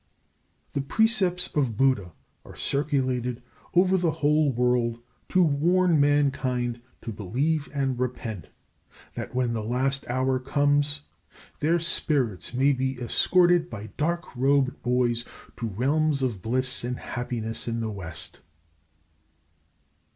The precepts of Buddha are circulated over the whole world to warn mankind to believe and repent, that when the last hour comes their spirits may be escorted by dark robed boys to realms of bliss and happiness in the west.